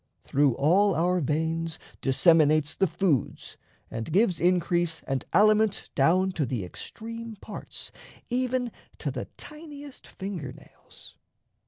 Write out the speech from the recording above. Through all our veins Disseminates the foods, and gives increase And aliment down to the extreme parts, Even to the tiniest finger nails.